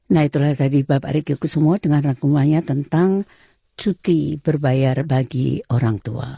nah itulah tadi bapak rigi kusumo dengan rangkumannya tentang cuti berbayar bagi orang tua